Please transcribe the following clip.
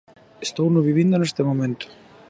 Estouno vivindo neste momento.